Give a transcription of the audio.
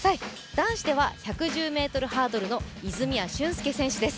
男子では１１０ｍハードルの泉谷駿介選手です。